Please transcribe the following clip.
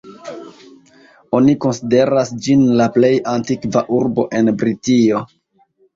Oni konsideras ĝin la plej antikva urbo en Britio.